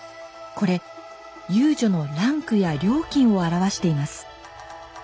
これ遊女のランクや料金を表しています。